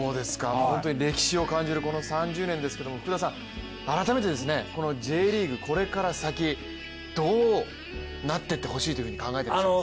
本当に歴史を感じるこの３０年ですけれども改めて、このＪリーグ、これから先どうなってってほしいと考えてますか？